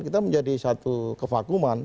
kita menjadi satu kevakuman